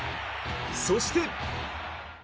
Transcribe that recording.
そして。